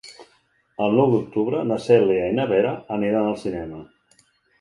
El nou d'octubre na Cèlia i na Vera aniran al cinema.